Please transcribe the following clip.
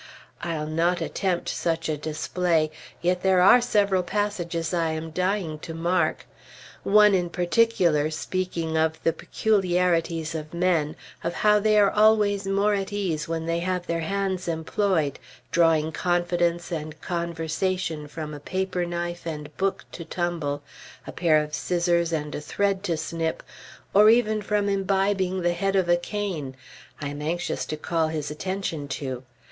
I'll not attempt such a display; yet there are several passages I am dying to mark. One in particular, speaking of the peculiarities of men, of how they are always more at ease when they have their hands employed, drawing confidence and conversation from a paper knife and book to tumble, a pair of scissors and a thread to snip, or even from imbibing the head of a cane, I am anxious to call his attention to.